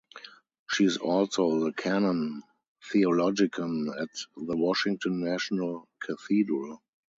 She is also the Canon Theologian at the Washington National Cathedral.